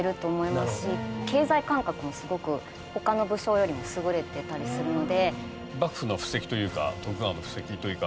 経済感覚もすごく他の武将よりも優れてたりするので。